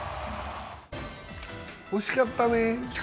惜しかったね。